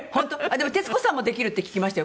でも徹子さんもできるって聞きましたよ。